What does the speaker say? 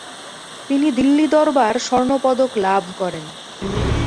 তিনি দিল্লি দরবার স্বর্ণপদক লাভ করেন।